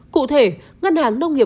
cụ thể ngân hàng nông nghiệp